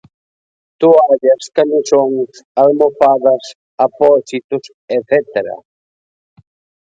Toallas, camisóns, almofadas, apósitos etcétera.